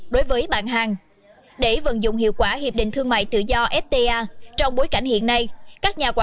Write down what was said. đối với bạn hàng để vận dụng hiệu quả hiệp định thương mại tự do fta trong bối cảnh hiện nay các nhà quản